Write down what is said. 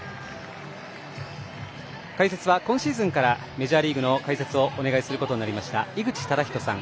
解説は今シーズンからメジャーリーグの解説をお願いすることになりました井口資仁さん。